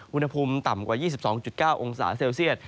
อุณหภูมิต่ำกว่า๒๒๙องศาเซลเซียต